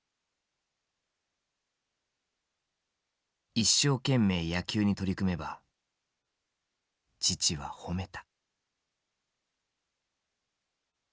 一生懸命野球に取り組めば父は褒めた。